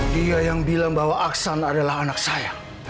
dia yang bilang bahwa aksan adalah anak saya